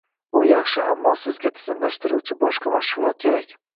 U yaxshi, ammo sizga tizimlashtiruvchi boshqa mahsulot kerak.